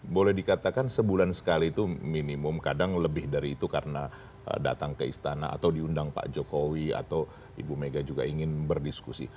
boleh dikatakan sebulan sekali itu minimum kadang lebih dari itu karena datang ke istana atau diundang pak jokowi atau ibu mega juga ingin berdiskusi